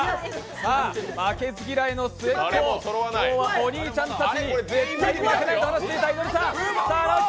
さあ、負けず嫌いの末っ子、今日はお兄ちゃんたちに絶対に負けないと話していたいのりさん。